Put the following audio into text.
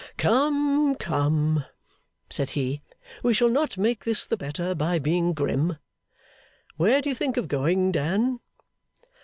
'Come, come!' said he. 'We shall not make this the better by being grim. Where do you think of going, Dan?